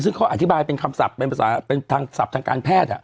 ซึ่งเขาอธิบายเป็นคำศัพท์เป็นภาษาเป็นทางศัพท์ทางการแพทย์